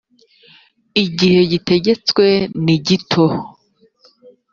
igihe gitegetswe nigito.